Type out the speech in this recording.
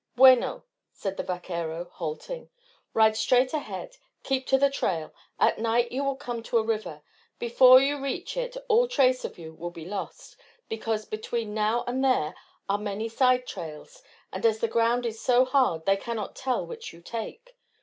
"Bueno," said the vaquero, halting. "Ride straight ahead. Keep to the trail. At night you will come to a river. Before you reach it all trace of you will be lost, because between now and there are many side trails, and as the ground is so hard they cannot tell which you take.